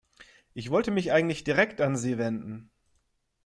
Ich wollte mich eigentlich direkt an Sie wenden.